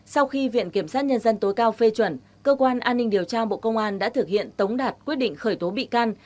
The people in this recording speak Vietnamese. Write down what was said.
sau khi viện kiểm sát nhân dân tối cao phê chuẩn cơ quan an ninh điều tra bộ công an đã thực hiện tống đạt quyết định khởi tố bị can